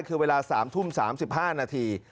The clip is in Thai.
คือเวลา๓ทุ่ม๓๕นาที